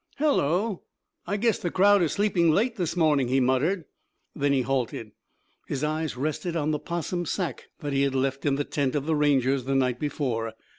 "Hullo, I guess the crowd is sleeping late this morning," he muttered. Then he halted. His eyes rested on the 'possum sack that he had left in the tent of the Rangers the night before.